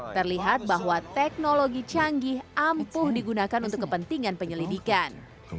terlihat bahwa teknologi canggih ampuh digunakan untuk kepentingan penyelidikan